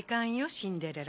シンデレラ。